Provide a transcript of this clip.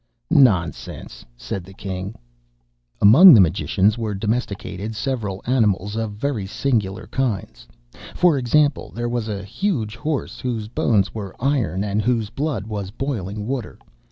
'" "Nonsense!" said the king. "'Among the magicians, were domesticated several animals of very singular kinds; for example, there was a huge horse whose bones were iron and whose blood was boiling water.